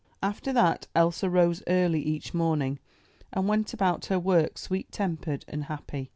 After that Elsa rose early each morning, and went about her work sweet tempered and happy.